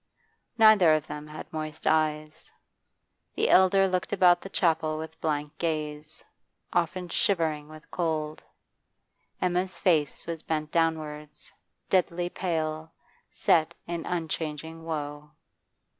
Neither of them had moist eyes; the elder looked about the chapel with blank gaze, often shivering with cold; Emma's face was bent downwards, deadly pale, set in unchanging woe.